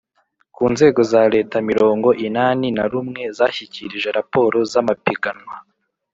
ku Nzego za Leta mirongo inani na rumwe zashyikirije raporo z amapiganwa